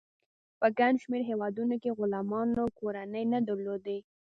په ګڼ شمیر هیوادونو کې غلامانو کورنۍ نه درلودې.